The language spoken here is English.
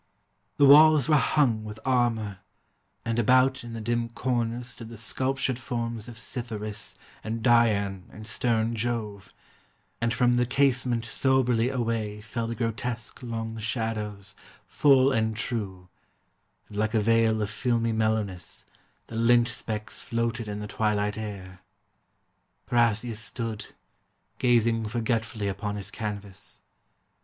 The walls were hung with armor, and about In the dim corners stood the sculptured forms Of Cytheris, and Dian, and stern Jove, And from the casement soberly away Fell the grotesque long shadows, full and true, And like a veil of filmy mellowness, The lint specks floated in the twilight air. Parrhasius stood, gazing forgetfully Upon his canvas.